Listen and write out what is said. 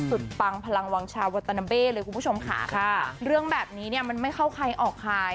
ปังพลังวังชาวาตานาเบ้เลยคุณผู้ชมค่ะเรื่องแบบนี้เนี่ยมันไม่เข้าใครออกใคร